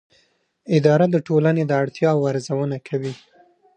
اداره د ټولنې د اړتیاوو ارزونه کوي.